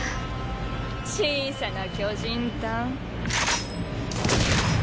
小さな巨人たん。